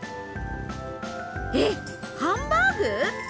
えっハンバーグ！？